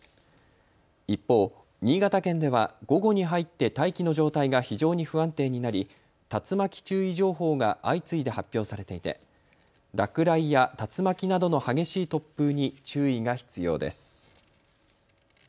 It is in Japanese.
一方、新潟県では午後に入って大気の状態が非常に不安定になり竜巻注意情報が相次いで発表されていて落雷や竜巻などの激しい突風に注意が必要です。